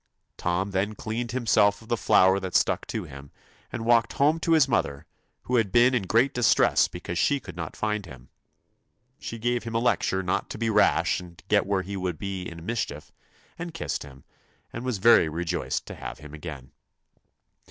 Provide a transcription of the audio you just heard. Tom then cleaned himself of the flour that stuck to him, and walked home to his mother, who had been in great distress because she could not find him. She gave him a lecture not to be rash and get where he would be in mis chief, and kissed him, and was very rejoiced to have him again.